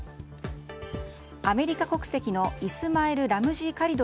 アメリカ国籍のイスマエル・ラムジー・カリド